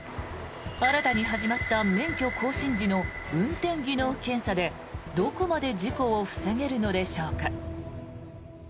新たに始まった免許更新時の運転技能検査でどこまで事故を防げるのでしょうか。